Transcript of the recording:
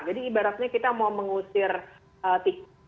jadi ibaratnya kita mau mengusir tikus